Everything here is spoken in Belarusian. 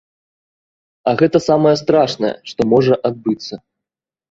А гэта самае страшнае, што можа адбыцца.